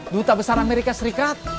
duta besar amerika serikat